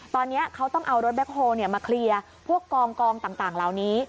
ตอนนี้เขาต้องเอารถแบ็คโฮลมาเคลียร์พวกกองต่างเหล่านี้